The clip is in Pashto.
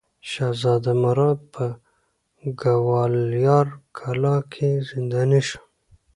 شهزاده مراد په ګوالیار کلا کې زنداني شو.